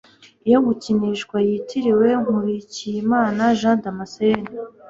ibyo gukinishwa' yitiriwe nkurikiyimana jadamaseni